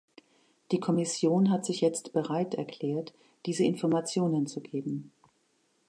Die Kommission hat sich jetzt bereit erklärt, diese Informationen zu geben.